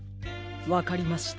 わかりました。